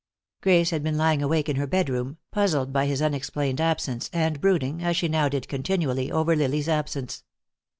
Grace had been lying awake in her bedroom, puzzled by his unexplained absence, and brooding, as she now did continually, over Lily's absence.